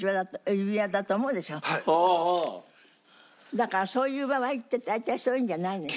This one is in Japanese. だからそういう場合って大体そういうんじゃないのよ。